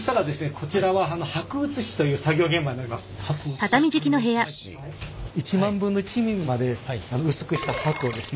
こちらは１万分の１ミリまで薄くした箔をですね